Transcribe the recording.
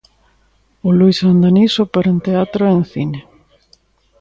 –O Luís anda niso, pero en teatro, e en cine.